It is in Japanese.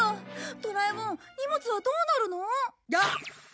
ドラえもん荷物はどうなるの？出てくる。